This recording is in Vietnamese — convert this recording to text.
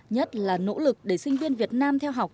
nhất là nỗ lực để sinh viên việt nam theo học